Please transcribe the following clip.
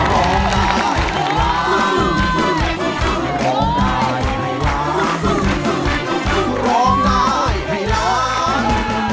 ต้องร้องอย่างดีให้ด้าน